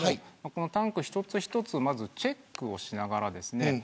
タンク一つ一つチェックをしながらですね